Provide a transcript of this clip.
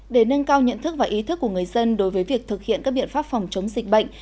để nâng cao nhận thức và ý thức của người dân đối với việc thực hiện các biện pháp phòng chống dịch bệnh